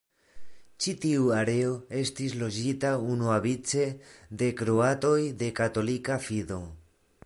Ĉi-tiu areo estis loĝita unuavice de kroatoj de katolika fido.